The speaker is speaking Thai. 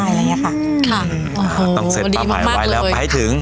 ต้องเซ็ตเป้าหมายไว้แล้วไปถึง